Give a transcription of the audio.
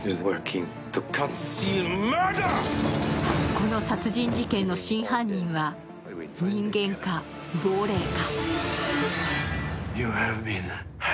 この殺人事件の真犯人は人間か、亡霊か。